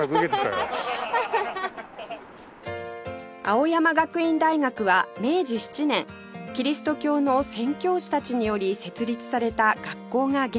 青山学院大学は明治７年キリスト教の宣教師たちにより設立された学校が原点